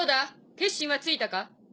決心はついたか？